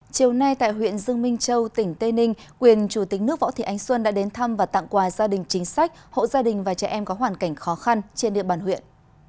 chiều nay tại huyện dương minh châu tỉnh tây ninh quyền chủ tịch nước võ thị ánh xuân đã đến thăm và tặng quà gia đình chính sách hộ gia đình và trẻ em có hoàn cảnh khó khăn trên địa bàn huyện